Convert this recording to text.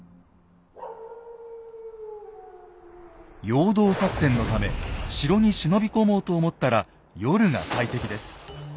陽動作戦のため城に忍び込もうと思ったら夜が最適です。